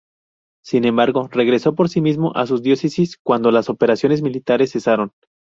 Sin embargo, regresó por sí mismo a su diócesis cuando las operaciones militares cesaron.